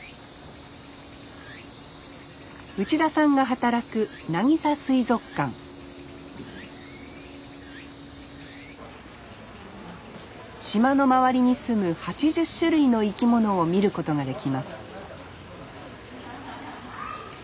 内田さんが働くなぎさ水族館島の周りに住む８０種類の生き物を見ることができます